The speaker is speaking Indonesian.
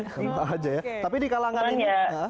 sebentar aja ya tapi di kalangan ini